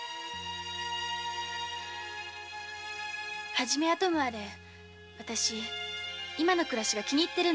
初めはともあれあたし今の暮らしが気に入ってるんです。